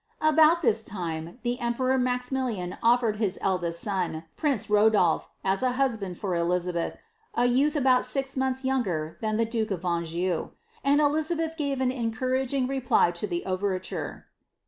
About this lime, the emperor Maximilian offered his eldest sun, p Rodolph, as a husband for Elizabeth, a youth about six months yoi than the duke of Anjou; and Elizabeth gave an encouraging reply b overture.